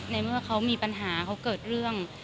ในเมื่อเขามีปัญหาเขาเกิดเรื่อง